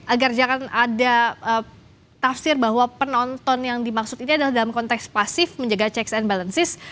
agar jangan ada tafsir bahwa penonton yang dimaksud ini adalah dalam konteks pasif menjaga checks and balances